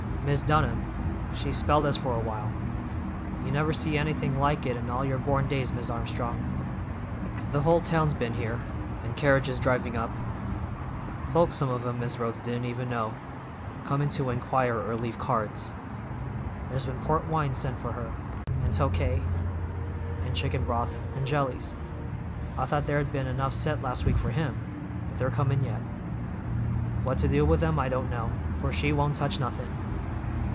Mis' Dunham, she spelled us for a while. You never see anything like it in all your born days, Mis' Armstrong! The hull town's been here, and carriages driving up, folks some of 'em Mis' Rhodes didn't even know, comin' to inquire or leave cards. There's been port wine sent for her, and Tokay, and chicken broth, and jellies—I thought there'd been enough sent last week for him, but they're comin' yet. What to do with 'em I don't know, for she won't touch nothin'.